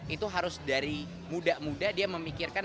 itu harus dari muda muda dia memikirkan